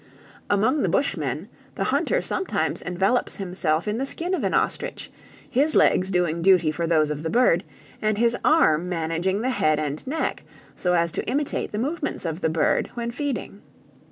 "Among the Bushmen, the hunter sometimes envelopes himself in the skin of an ostrich, his legs doing duty for those of the bird, and his arm managing the head and neck so as to imitate the movements of the bird when feeding.